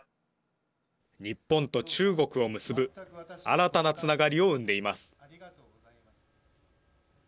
日本と中国を結ぶ新たなつながりを生んでいます。